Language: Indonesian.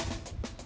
tunggu nanti aja